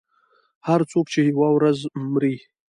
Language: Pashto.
• هر څوک چې یوه ورځ مري.